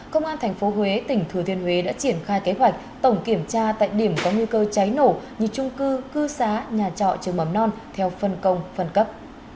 công an tp huế tỉnh thừa thiên huế đã triển khai kế hoạch tổng kiểm tra tại điểm có nguy cơ cháy nổ như trung cư cư xá nhà trọ trường mầm non theo phân công phân cấp